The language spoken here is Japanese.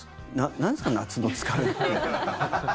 なんですか、夏の疲れって。